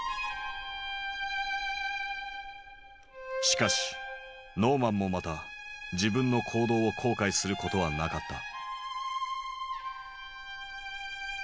しかしノーマンもまた自分の行動を後悔することはなかった。